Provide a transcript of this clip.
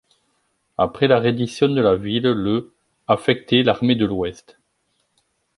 Après la reddition de la ville, le affecté l'Armée de l'Ouest.